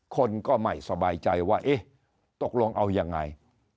คนก็ไม่สบายใจว่าเอ๊ะตกลงเอายังไง